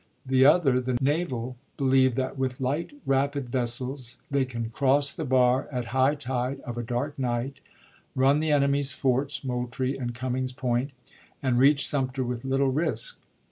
The other (the naval) believe that with light, rapid vessels they can cross the bar at high tide of a dark night, run the enemy's forts (Moultrie and Cummings Point), and reach Sumter with little risk.